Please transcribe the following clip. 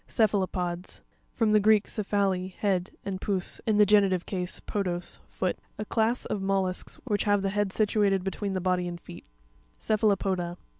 A Ce'puaropops (ke'f a lo pods)—From the Greek, kephale, head, and pous, in the genitive case, podos, foot. A class of mollusks which have the head situated between the body and feet (page 19). Cr'pHaLopo'pa.